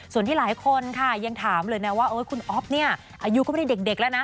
ส่วนที่หลายคนค่ะยังถามเลยนะว่าคุณอ๊อฟเนี่ยอายุก็ไม่ได้เด็กแล้วนะ